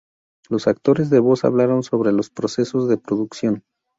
Los actores de voz hablaron sobre los procesos de producción.